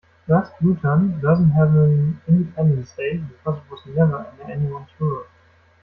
Thus Bhutan doesn't have an Independence Day because it was never under anyone's rule.